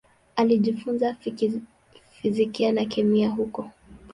Alijifunza fizikia na kemia huko.